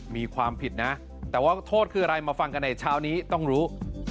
มีความผิดนะแต่ว่าโทษคืออะไรมาฟังกันในเช้านี้ต้องรู้